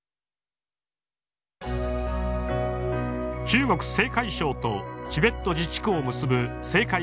中国・青海省とチベット自治区を結ぶ青海